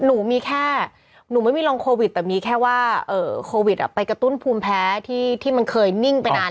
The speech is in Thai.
หนูมีแค่หนูไม่มีรองโควิดแต่มีแค่ว่าโควิดไปกระตุ้นภูมิแพ้ที่มันเคยนิ่งไปนาน